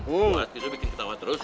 kuat gitu bikin ketawa terus